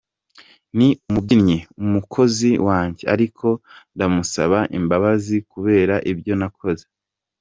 Ni umubyinnyi, umukozi wanjye, ariko ndamusaba imbabazi kubera ibyo nakoze.